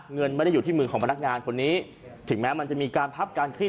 เงินไม่ได้อยู่ที่มือของพนักงานคนนี้ถึงแม้มันจะมีการพับการคลีด